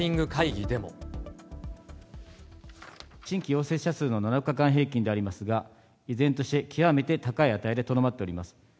新規陽性者数の７日間平均でありますが、依然として極めて高い値でとどまっております。